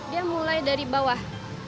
dia mulai dari bawah